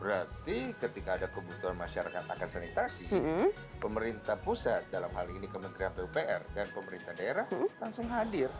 berarti ketika ada kebutuhan masyarakat akan sanitasi pemerintah pusat dalam hal ini kementerian pupr dan pemerintah daerah langsung hadir